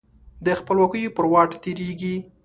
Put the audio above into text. د خپلواکیو پر واټ تیریږې